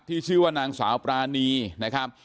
ชื่อว่านางสาวปรานีนะครับ